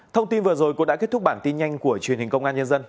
thông tin vừa rồi cũng đã kết thúc bản tin nhanh của truyền hình công an nhân dân